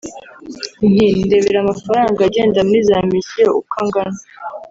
nti ndebera amafaranga agenda muri za misiyo uko angana